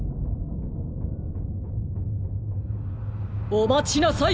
おまちなさい！